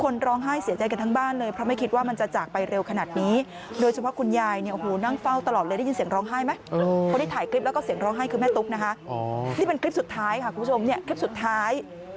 นี่เป็นคลิปสุดท้ายค่ะคุณผู้ชมเนี่ยคลิปสุดท้าย